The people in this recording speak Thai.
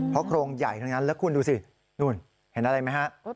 เพราะโครงใหญ่ทั้งนั้นแล้วคุณดูสินู่นเห็นอะไรไหมฮะ